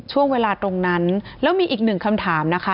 ช่วงเวลาตรงนั้นแล้วมีอีกหนึ่งคำถามนะคะ